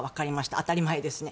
当たり前ですね。